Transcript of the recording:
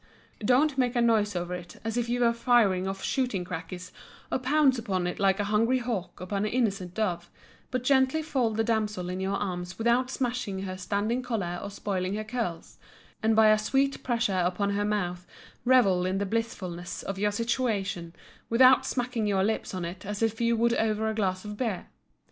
Don't make a noise over it as if you were firing off shooting crackers, or pounce upon it like a hungry hawk upon an innocent dove, but gently fold the damsel in your arms without smashing her standing collar or spoiling her curls, and by a sweet pressure upon her mouth, revel in the blissfulness of your situation without smacking your lips on it as you would over a glass of beer.